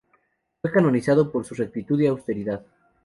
Fue canonizado por su rectitud y austeridad.